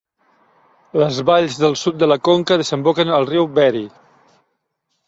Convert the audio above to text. Les valls del sud de la conca desemboquen al riu Bheri.